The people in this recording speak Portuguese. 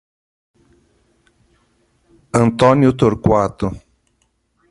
Antônio Torquato